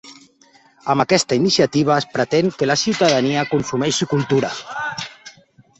Amb aquesta iniciativa, es pretén que la ciutadania consumeixi cultura.